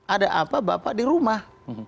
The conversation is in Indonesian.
ada apa bapak di rumah